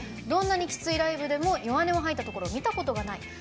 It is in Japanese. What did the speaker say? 「どんなにきついライブでも弱音を吐いたところを見たことがない」。